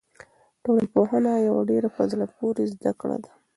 ټولنپوهنه یوه ډېره په زړه پورې زده کړه ده.